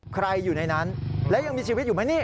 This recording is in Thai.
อยู่ในนั้นและยังมีชีวิตอยู่ไหมนี่